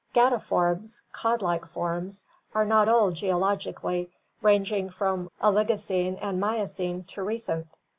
Gadiformes, cod like forms, are not old geologically, ranging from Oligocene and Miocene to recent.